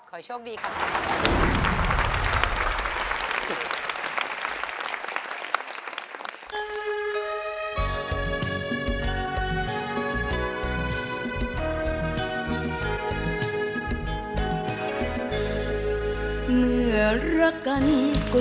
ขอโชคดีครับ